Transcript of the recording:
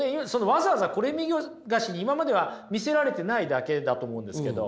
わざわざこれ見よがしに今までは見せられてないだけだと思うんですけど。